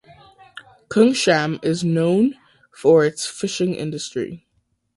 Kungshamn is known for its fishing industry.